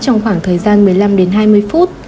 trong khoảng thời gian một mươi năm đến hai mươi phút